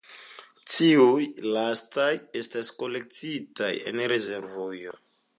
Tiuj lastaj estas kolektitaj en rezervujo.